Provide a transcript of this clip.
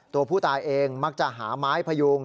ตัวผู้ตายเองมักจะหาไม้พยุง